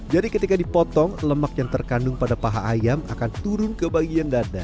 jadi ketika dipotong lemak yang terkandung pada paha ayam akan turun ke bagian dada